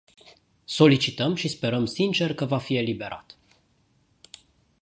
Solicităm și sperăm sincer că va fi eliberat.